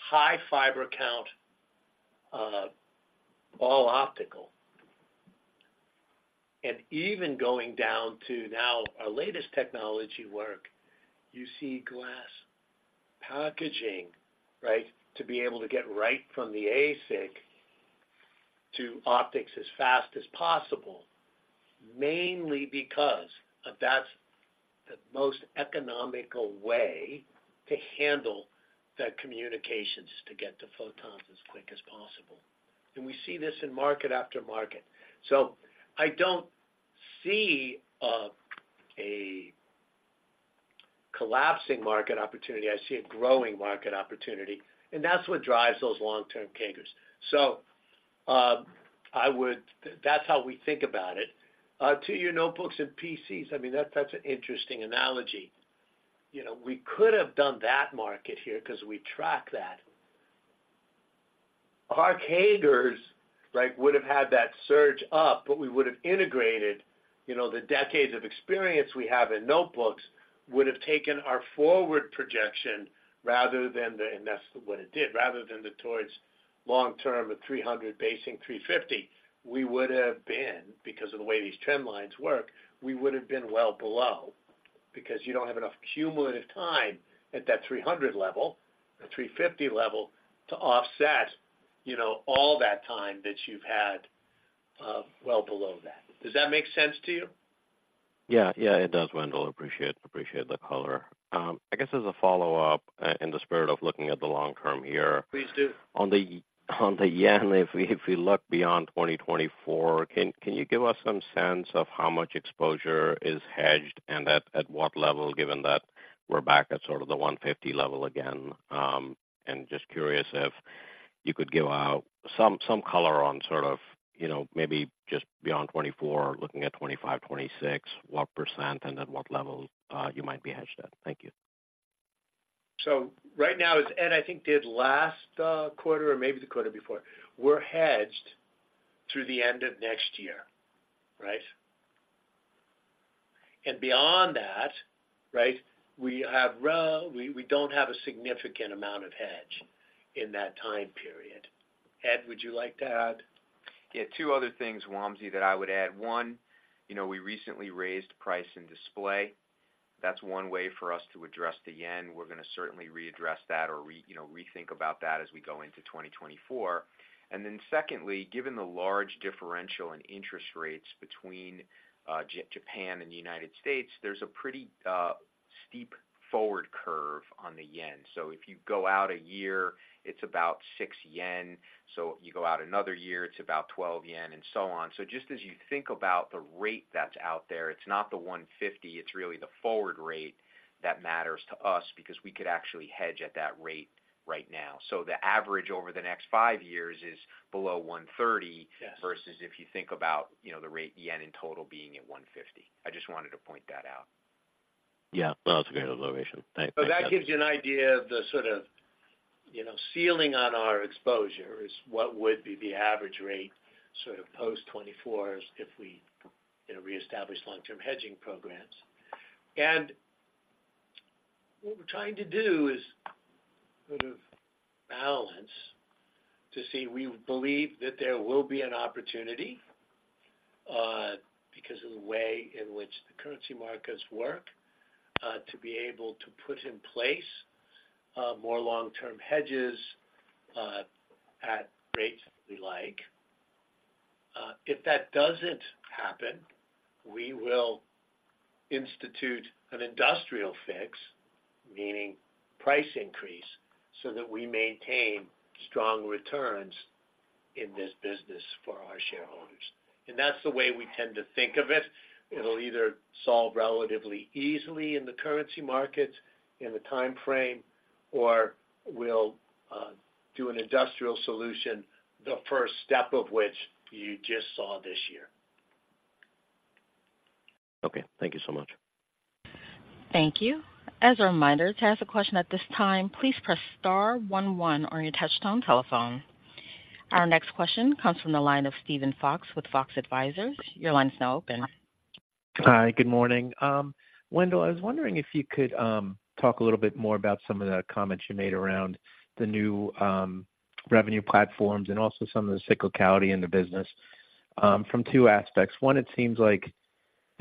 high fiber count, all optical. And even going down to now our latest technology work, you see glass packaging, right? To be able to get right from the ASIC to optics as fast as possible, mainly because that's the most economical way to handle the communications to get the photons as quick as possible. And we see this in market after market. So I don't see a collapsing market opportunity. I see a growing market opportunity, and that's what drives those long-term CAGRs. So, that's how we think about it. To your notebooks and PCs, I mean, that's an interesting analogy. You know, we could have done that market here because we track that. Our CAGRs, right, would have had that surge up, but we would have integrated, you know, the decades of experience we have in notebooks would have taken our forward projection rather than the... and that's what it did, rather than the towards long term, at 300 basing 350, we would have been, because of the way these trend lines work, we would have been well below because you don't have enough cumulative time at that 300 level, the 350 level, to offset, you know, all that time that you've had, well below that. Does that make sense to you? Yeah, yeah, it does, Wendell. Appreciate, appreciate the color. I guess as a follow-up, in the spirit of looking at the long term here- Please do. On the yen, if we look beyond 2024, can you give us some sense of how much exposure is hedged and at what level, given that we're back at sort of the 150 level again? And just curious if you could give out some color on sort of, you know, maybe just beyond 2024, looking at 2025, 2026, what percent and at what level you might be hedged at. Thank you. So right now, as Ed, I think, did last quarter or maybe the quarter before, we're hedged through the end of next year, right? And beyond that, right, we don't have a significant amount of hedge in that time period. Ed, would you like to add? Yeah, two other things, Wamsi, that I would add. One, you know, we recently raised price in display. That's one way for us to address the yen. We're going to certainly readdress that or, you know, rethink about that as we go into 2024. And then secondly, given the large differential in interest rates between Japan and the United States, there's a pretty steep forward curve on the yen. So if you go out a year, it's about 6 yen. So you go out another year, it's about 12 yen, and so on. So just as you think about the rate that's out there, it's not the 150, it's really the forward rate that matters to us because we could actually hedge at that rate right now. So the average over the next five years is below 130- Yes... Versus if you think about, you know, the yen rate in total being at 150. I just wanted to point that out.... Yeah, well, that's a great observation. Thanks. So that gives you an idea of the sort of, you know, ceiling on our exposure is what would be the average rate, sort of post-2024s if we, you know, reestablish long-term hedging programs. And what we're trying to do is sort of balance to see, we believe that there will be an opportunity, because of the way in which the currency markets work, to be able to put in place, more long-term hedges, at rates we like. If that doesn't happen, we will institute an industrial fix, meaning price increase, so that we maintain strong returns in this business for our shareholders. And that's the way we tend to think of it. It'll either solve relatively easily in the currency markets, in the time frame, or we'll do an industrial solution, the first step of which you just saw this year. Okay, thank you so much. Thank you. As a reminder, to ask a question at this time, please press star one one on your touchtone telephone. Our next question comes from the line of Steven Fox with Fox Advisors. Your line is now open. Hi, good morning. Wendell, I was wondering if you could talk a little bit more about some of the comments you made around the new revenue platforms and also some of the cyclicality in the business from two aspects. One, it seems like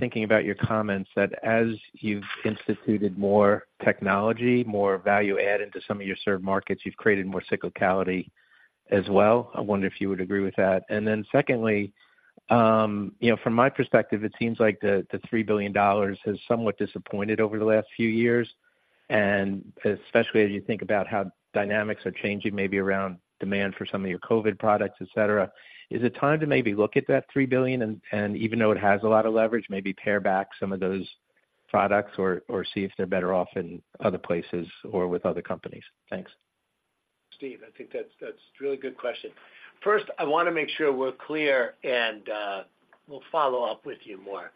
thinking about your comments, that as you've instituted more technology, more value add into some of your served markets, you've created more cyclicality as well. I wonder if you would agree with that. And then secondly, you know, from my perspective, it seems like the $3 billion has somewhat disappointed over the last few years, and especially as you think about how dynamics are changing, maybe around demand for some of your COVID products, et cetera. Is it time to maybe look at that $3 billion and, and even though it has a lot of leverage, maybe pare back some of those products, or, or see if they're better off in other places or with other companies? Thanks. Steve, I think that's, that's a really good question. First, I wanna make sure we're clear, and we'll follow up with you more.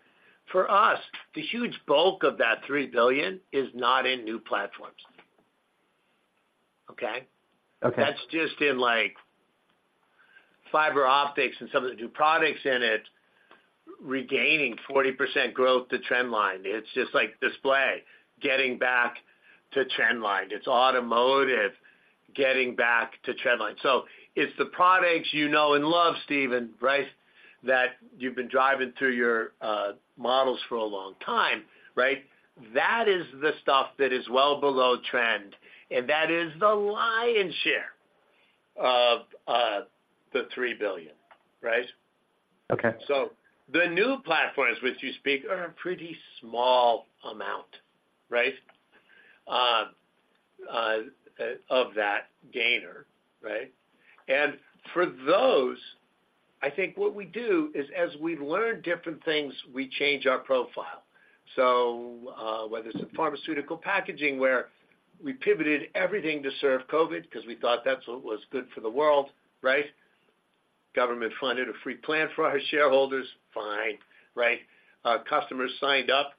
For us, the huge bulk of that $3 billion is not in new platforms. Okay? Okay. That's just in, like, fiber optics and some of the new products in it, regaining 40% growth to trend line. It's just like display, getting back to trend line. It's automotive, getting back to trend line. So it's the products you know and love, Steven, right, that you've been driving through your models for a long time, right? That is the stuff that is well below trend, and that is the lion's share of the $3 billion, right? Okay. So the new platforms, which you speak, are a pretty small amount, right, of that gainer, right? And for those, I think what we do is, as we learn different things, we change our profile. So, whether it's in pharmaceutical packaging, where we pivoted everything to serve COVID because we thought that's what was good for the world, right? Government funded a free plan for our shareholders. Fine, right? Our customers signed up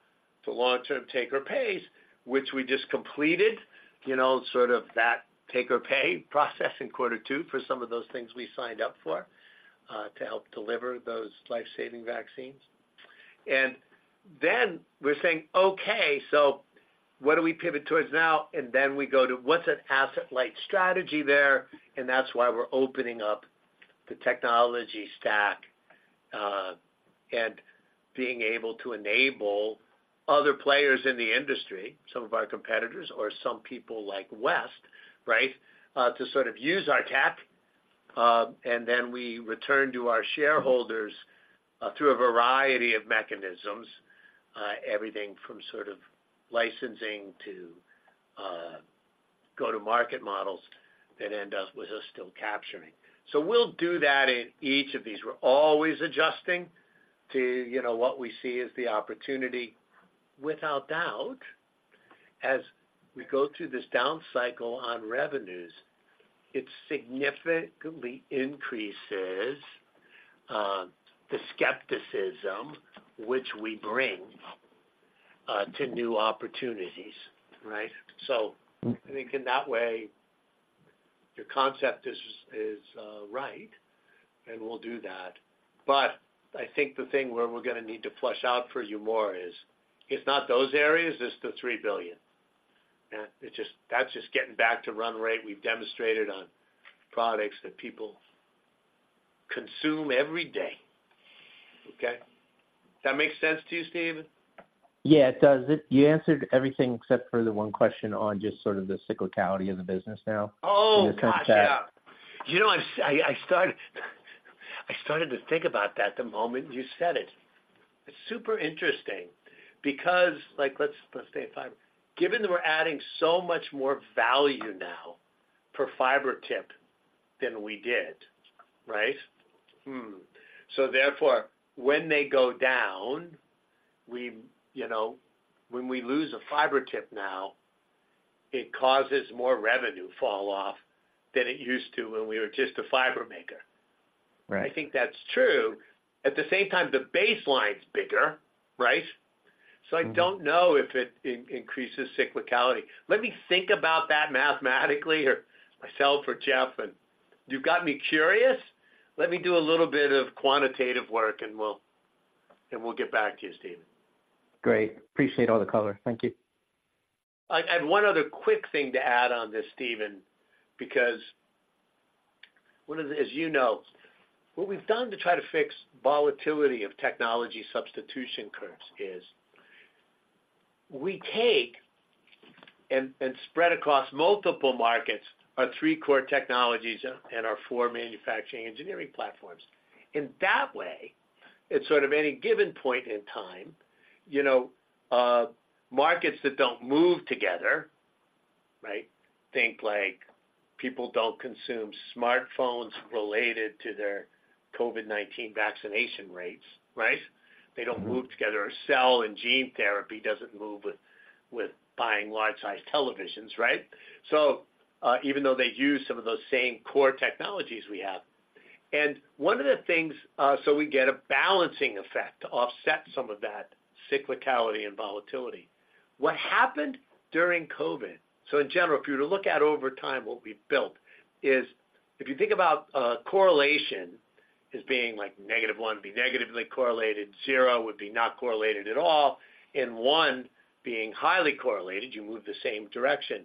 for long-term take or pays, which we just completed, you know, sort of that take or pay process in quarter two for some of those things we signed up for, to help deliver those life-saving vaccines. And then we're saying, okay, so what do we pivot towards now? And then we go to: What's an asset-light strategy there? And that's why we're opening up the technology stack, and being able to enable other players in the industry, some of our competitors, or some people like West, right, to sort of use our tech, and then we return to our shareholders through a variety of mechanisms, everything from sort of licensing to go-to-market models that end up with us still capturing. So we'll do that in each of these. We're always adjusting to, you know, what we see as the opportunity. Without doubt, as we go through this down cycle on revenues, it significantly increases the skepticism which we bring to new opportunities, right? Mm-hmm. So I think in that way, your concept is right, and we'll do that. But I think the thing where we're gonna need to flesh out for you more is, if not those areas, it's the $3 billion. Yeah, it's just—that's just getting back to run rate. We've demonstrated on products that people consume every day. Okay? Does that make sense to you, Steven? Yeah, it does. You answered everything except for the one question on just sort of the cyclicality of the business now. Oh, gosh, yeah. In the context that- You know what? I started to think about that the moment you said it. It's super interesting because, like, let's say fiber. Given that we're adding so much more value now per fiber tip than we did, right? Hmm. So therefore, when they go down, you know, when we lose a fiber tip now, it causes more revenue falloff than it used to when we were just a fiber maker. Right. I think that's true. At the same time, the baseline's bigger, right? Mm-hmm. So I don't know if it increases cyclicality. Let me think about that mathematically, or myself, or Jeff, and you've got me curious. Let me do a little bit of quantitative work, and we'll get back to you, Steven. Great. Appreciate all the color. Thank you. And one other quick thing to add on this, Steven, because one of the... As you know, what we've done to try to fix volatility of technology substitution curves is, we take and spread across multiple markets, our three core technologies and our four manufacturing engineering platforms. In that way, in sort of any given point in time, you know, markets that don't move together, right? Think like people don't consume smartphones related to their COVID-19 vaccination rates, right? Mm-hmm. They don't move together. Or cell and gene therapy doesn't move with buying large-sized televisions, right? So, even though they use some of those same core technologies we have. And one of the things, so we get a balancing effect to offset some of that cyclicality and volatility. What happened during COVID. So in general, if you were to look at over time, what we've built, is if you think about, correlation as being like -1, being negatively correlated, 0 would be not correlated at all, and 1 being highly correlated, you move the same direction.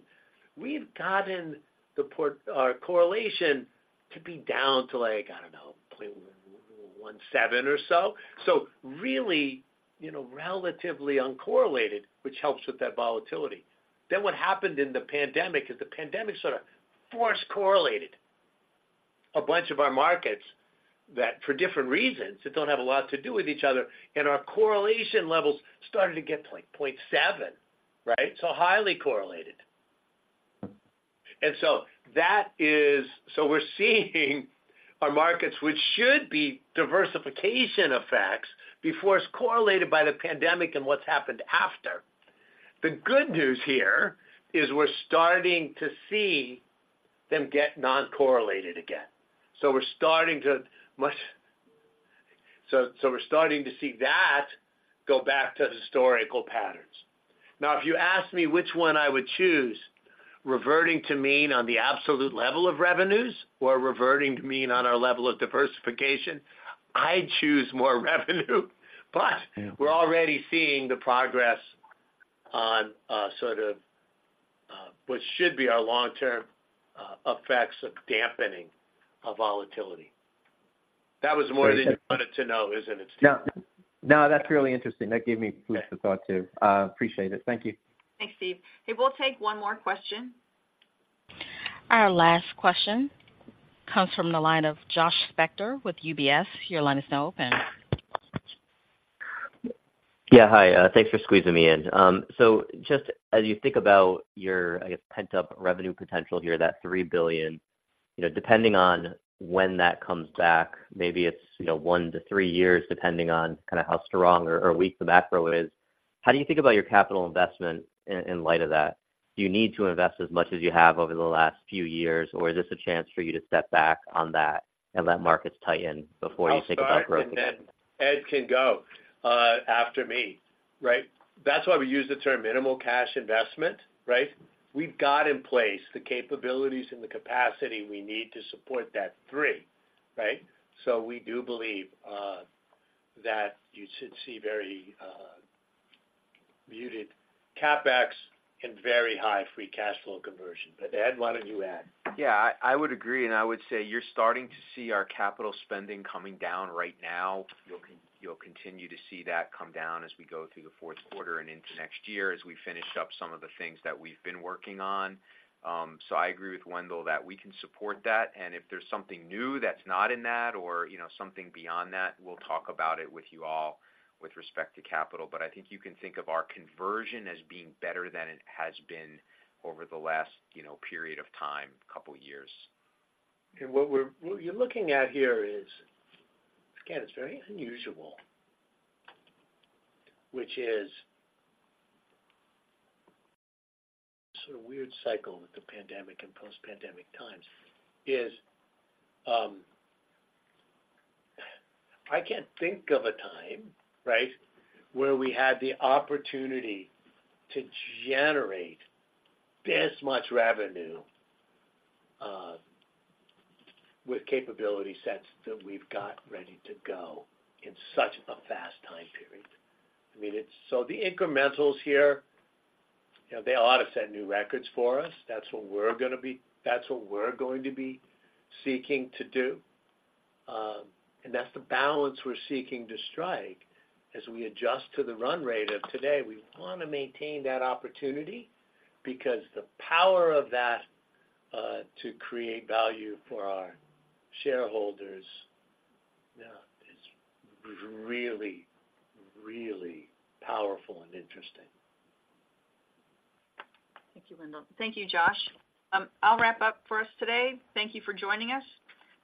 We've gotten the portfolio correlation to be down to like, I don't know, 0.17 or so. So really, you know, relatively uncorrelated, which helps with that volatility. Then what happened in the pandemic is the pandemic sort of force correlated a bunch of our markets that for different reasons that don't have a lot to do with each other, and our correlation levels started to get to, like, 0.7, right? So highly correlated. And so we're seeing our markets, which should be diversification effects, be force correlated by the pandemic and what's happened after. The good news here is we're starting to see them get non-correlated again. So we're starting to see that go back to historical patterns. Now, if you ask me which one I would choose, reverting to mean on the absolute level of revenues or reverting to mean on our level of diversification, I'd choose more revenue. Yeah. But we're already seeing the progress on sort of what should be our long-term effects of dampening of volatility. That was more than you wanted to know, isn't it, Steve? No. No, that's really interesting. That gave me food for thought, too. Appreciate it. Thank you. Thanks, Steve. Okay, we'll take one more question. Our last question comes from the line of Josh Spector with UBS. Your line is now open. Yeah, hi. Thanks for squeezing me in. So just as you think about your, I guess, pent-up revenue potential here, that $3 billion, you know, depending on when that comes back, maybe it's, you know, one to three years, depending on kind of how strong or weak the macro is. How do you think about your capital investment in light of that? Do you need to invest as much as you have over the last few years, or is this a chance for you to step back on that and let markets tighten before you think about growth again? I'll start, and then Ed can go after me, right? That's why we use the term minimal cash investment, right? We've got in place the capabilities and the capacity we need to support that three, right? So we do believe that you should see very muted CapEx and very high free cash flow conversion. But Ed, why don't you add? Yeah, I would agree, and I would say you're starting to see our capital spending coming down right now. You'll continue to see that come down as we go through the fourth quarter and into next year, as we finish up some of the things that we've been working on. So I agree with Wendell, that we can support that, and if there's something new that's not in that or, you know, something beyond that, we'll talk about it with you all with respect to capital. But I think you can think of our conversion as being better than it has been over the last, you know, period of time, couple years. And what you're looking at here is, again, it's very unusual, which is sort of weird cycle with the pandemic and post-pandemic times. I can't think of a time, right, where we had the opportunity to generate this much revenue with capability sets that we've got ready to go in such a fast time period. I mean, so the incrementals here, you know, they ought to set new records for us. That's what we're going to be seeking to do. And that's the balance we're seeking to strike as we adjust to the run rate of today. We want to maintain that opportunity because the power of that to create value for our shareholders is really, really powerful and interesting. Thank you, Wendell. Thank you, Josh. I'll wrap up for us today. Thank you for joining us.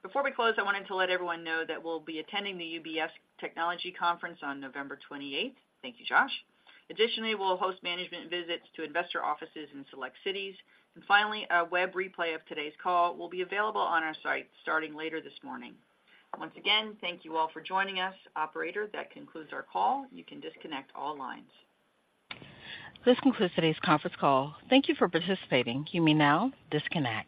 Before we close, I wanted to let everyone know that we'll be attending the UBS Technology Conference on November 28th. Thank you, Josh. Additionally, we'll host management visits to investor offices in select cities. Finally, a web replay of today's call will be available on our site starting later this morning. Once again, thank you all for joining us. Operator, that concludes our call. You can disconnect all lines. This concludes today's conference call. Thank you for participating. You may now disconnect.